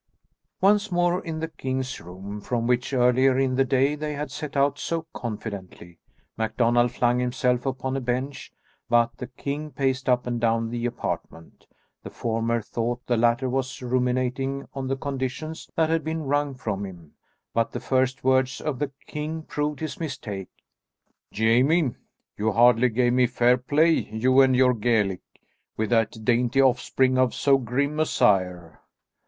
Once more in the king's room, from which, earlier in the day they had set out so confidently, MacDonald flung himself upon a bench, but the king paced up and down the apartment. The former thought the latter was ruminating on the conditions that had been wrung from him, but the first words of the king proved his mistake. "Jamie, you hardly gave me fair play, you and your Gaelic, with that dainty offspring of so grim a sire."